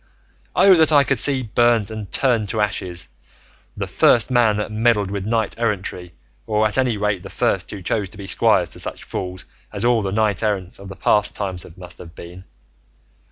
Oh that I could see burnt and turned to ashes the first man that meddled with knight errantry or at any rate the first who chose to be squire to such fools as all the knights errant of past times must have been!